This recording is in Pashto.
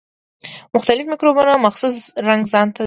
مختلف مکروبونه مخصوص رنګ ځانته نیسي.